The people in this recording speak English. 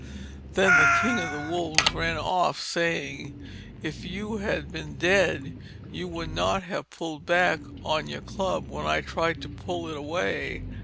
Then the King of the Wolves ran off saying: "If you had been dead, you would not have pulled back on your club when I tried to pull it away.